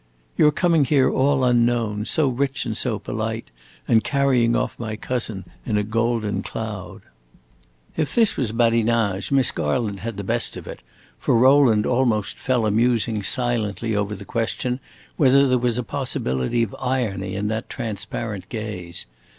"Your coming here all unknown, so rich and so polite, and carrying off my cousin in a golden cloud." If this was badinage Miss Garland had the best of it, for Rowland almost fell a musing silently over the question whether there was a possibility of irony in that transparent gaze.